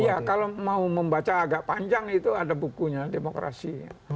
iya kalau mau membaca agak panjang itu ada bukunya demokrasi